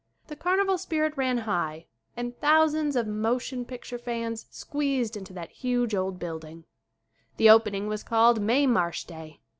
The car nival spirit ran high and thousands of motion picture fans squeezed into that huge old build ing. The opening was called "Mae Marsh Day."